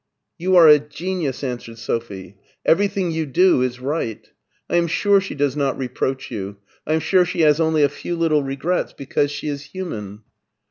" You are a genius," answered Sophie ;" everyAing you do is right. I am sure she does not reproach you ; I am sure she has only a few little regrets because she is human."